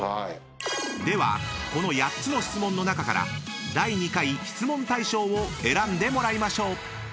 ［ではこの８つの質問の中から第２回質問大賞を選んでもらいましょう］